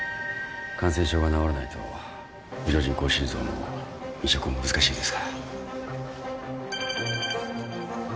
感染症が治らないと補助人工心臓も移植も難しいですから。